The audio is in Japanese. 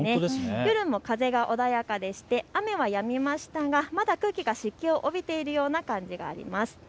夜も風が穏やかでして雨はやみましたがまだ空気が湿気を帯びているような感じがあります。